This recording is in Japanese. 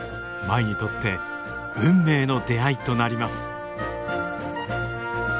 舞にとって運命の出会いとなります。